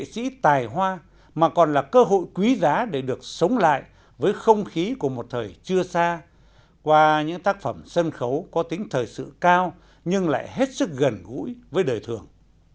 nghệ sĩ tài hoa mà còn là cơ hội quý giá để được sống lại với không khí của một thời chưa xa qua những tác phẩm sân khấu có tính thời sự cao nhưng lại hết sức gần gũi với đời thường